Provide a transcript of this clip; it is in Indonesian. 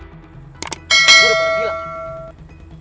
gue udah pernah bilang